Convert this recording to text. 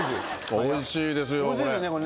おいしいですねこれね。